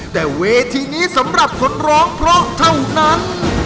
แต่เวทีนี้สำหรับคนร้องเพราะเท่านั้น